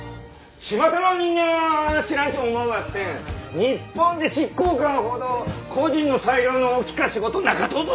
ちまたの人間は知らんと思うばってん日本で執行官ほど個人の裁量の大きか仕事なかとぞ！